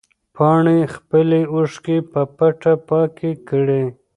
پاڼې خپلې اوښکې په پټه پاکې کړې.